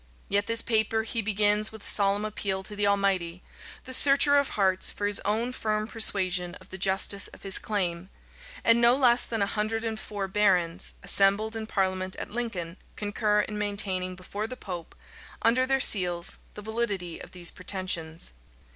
Yet this paper he begins with a solemn appeal to the Almighty, the searcher of hearts for his own firm persuasion of the justice of his claim; and no less than a hundred and four barons, assembled in parliament at Lincoln, concur in maintaining before the pope, under their seals, the validity of these pretensions.